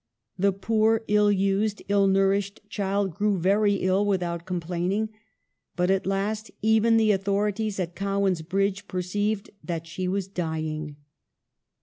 The poor ill used, ill nouriyhed child grew very ill without complaining ; but at last even the au thorities at Cowan's Bridge perceived that she was dying.